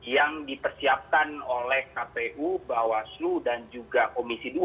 yang dipersiapkan oleh kpu bawaslu dan juga komisi dua